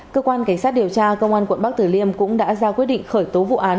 cơ quan cảnh sát điều tra công an quận bắc tử liêm cũng đã ra quyết định khởi tố vụ án